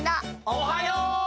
おはよう！